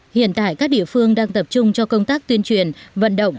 hiện tại các địa phương đang tập trung cho công tác tuyên truyền vận động